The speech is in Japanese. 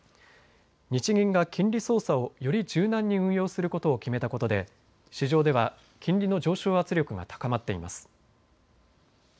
日銀が金利操作をより柔軟に運用することを決めたことで市場では金利の上昇圧力が高まっています。